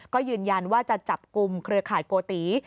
ก็ยืนยันว่าจะจับกลุ่มเครือข่ายโกติ